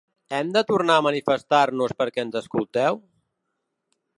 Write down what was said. Hem de tornar a manifestar-nos perquè ens escolteu?